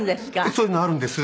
そういうのあるんです。